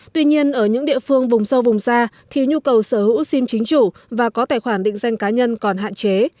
tuy nhiên ở những địa phương vùng sâu vùng xa thì nhu cầu sở hữu sim chính chủ và có tài khoản định danh cá nhân còn hạn chế